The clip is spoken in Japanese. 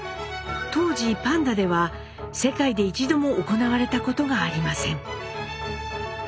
当時パンダでは世界で一度も行われたことがありません。